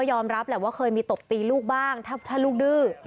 ยอมรับแหละว่าเคยมีตบตีลูกบ้างถ้าลูกดื้อ